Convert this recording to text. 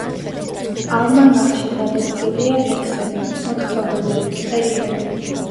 ალმანახში დაბეჭდილია ლექსები, მოთხრობები, წერილები.